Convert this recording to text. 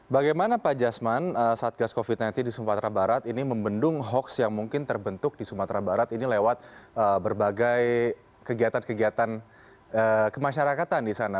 bagaimana pak jasman satgas covid sembilan belas di sumatera barat ini membendung hoax yang mungkin terbentuk di sumatera barat ini lewat berbagai kegiatan kegiatan kemasyarakatan di sana